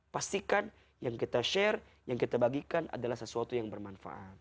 pastikan yang kita share yang kita bagikan adalah sesuatu yang bermanfaat